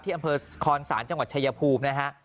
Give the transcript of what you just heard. อำเภอคอนศาลจังหวัดชายภูมินะฮะ